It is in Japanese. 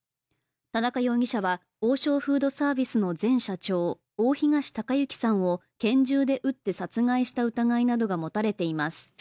田中容疑者は、王将フードサービスの前社長、大東隆行さんを拳銃で撃って殺害した疑いなどが持たれています。